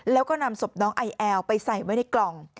แล้วก็นำศพน้องไอแอลไปใส่ไว้ในกล่อง